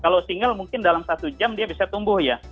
kalau single mungkin dalam satu jam dia bisa tumbuh ya